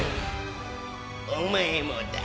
お前もだ。